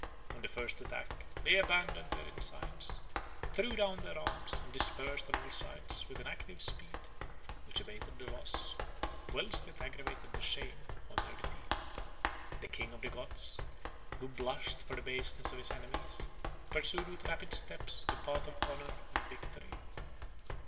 On the first attack, they abandoned their ensigns, threw down their arms, and dispersed on all sides with an active speed, which abated the loss, whilst it aggravated the shame, of their defeat. The king of the Goths, who blushed for the baseness of his enemies, pursued with rapid steps the path of honor and victory.